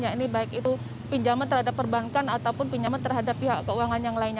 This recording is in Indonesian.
ya ini baik itu pinjaman terhadap perbankan ataupun perusahaan